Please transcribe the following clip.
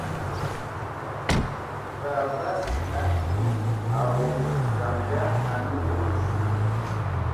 Və a vas, a ki ! Abom dzam dəda anə e mod osu.